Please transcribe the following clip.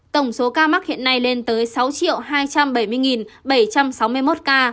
tổng số ca mắc hiện nay lên tới sáu hai trăm bảy mươi bảy trăm sáu mươi một ca